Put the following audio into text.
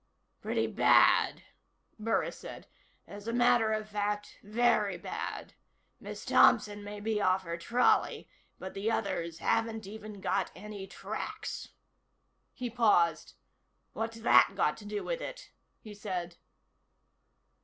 "Pretty bad," Burris said. "As a matter of fact, very bad. Miss Thompson may be off her trolley, but the others haven't even got any tracks." He paused. "What's that got to do with it?" he said.